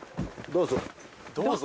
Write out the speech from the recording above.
どうぞ？